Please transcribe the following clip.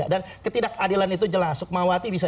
dan ketidakadilan itu jelas sukmawati bisa